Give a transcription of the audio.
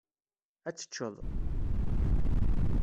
Ad teččeḍ.